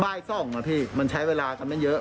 บ้าย๒น่ะพี่มันใช้เวลาจะไม่เยอะ